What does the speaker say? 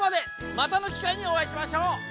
またのきかいにおあいしましょう！